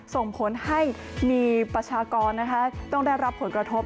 ส่งผลให้มีประชากรต้องได้รับผลกระทบ